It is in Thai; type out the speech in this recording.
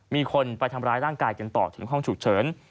มีคนไปทำร้ายร่างกายกันต่อถึงห้องฉุกเฉิน